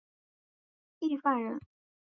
郦范人。